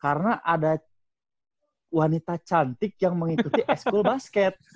karena ada wanita cantik yang mengikuti s kool basket